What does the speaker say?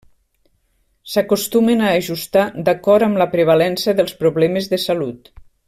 S'acostumen a ajustar d'acord amb la prevalença dels problemes de salut.